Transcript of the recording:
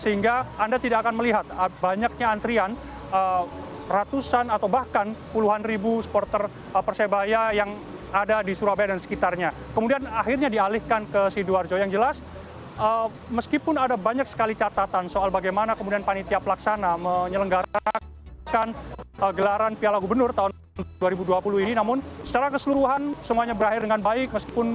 sehingga anda tidak akan melihat banyaknya antrian ratusan atau bahkan puluhan ribu spon